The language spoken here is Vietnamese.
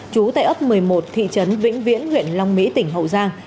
trú tại ấp một mươi một thị trấn vĩnh viễn huyện long mỹ tỉnh hậu giang